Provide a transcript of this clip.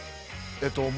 えっと。